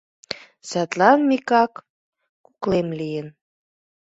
Садлан Микак куклем лийын.